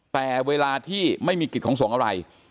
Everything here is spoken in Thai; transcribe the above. แต่เวลาที่ไม่มีกิจของสงฆ์อะไร